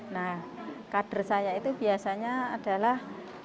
nah kader saya itu biasanya adalah